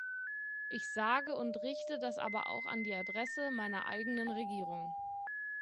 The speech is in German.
Ich sage und richte das aber auch an die Adresse meiner eigenen Regierung.